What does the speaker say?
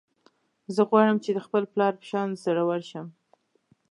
زه غواړم چې د خپل پلار په شان زړور شم